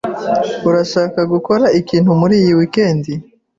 Urashaka gukora ikintu muri iyi weekend?